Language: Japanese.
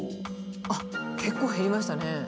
あっ結構減りましたね。